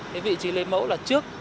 cái vị trí lấy mẫu là trước